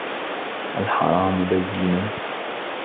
وَالْحَرَامُ بَيِّنٌ